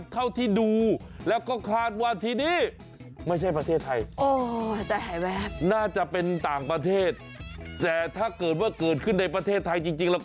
ตามแหล่งน้ำสมาชาตินะครับ